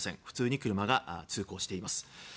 普通に車が通行しています。